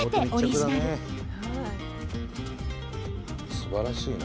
すばらしいな。